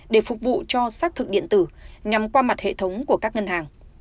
để phục vụ cho xác thực điện tử nhằm qua mặt hệ thống của các ngân hàng